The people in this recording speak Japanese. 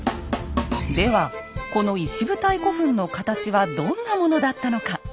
ではこの石舞台古墳の形はどんなものだったのか。